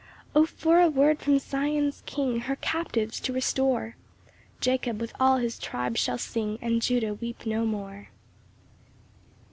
4 O for a word from Sion's King Her captives to restore! Jacob with all his tribes shall sing, And Judah weep no more.